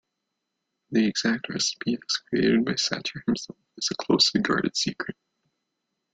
The exact recipe as created by Sacher himself is a closely guarded secret.